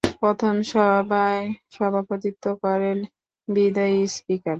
প্রথম সভায় সভাপতিত্ব করেন বিদায়ী স্পিকার।